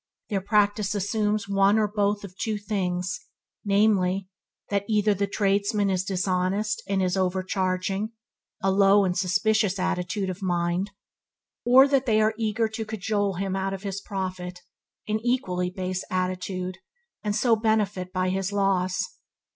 Their practice assumes one or both of two things, namely, that either the tradesman is dishonest and is overcharging (a low, suspicious attitude of mind), or that they are eager to cajole him out of his profit (an equally base attitude), and so benefit by his loss.